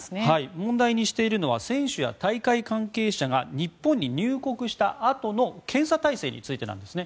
問題にしているのは選手や大会関係者が日本に入国したあとの検査体制についてなんですね。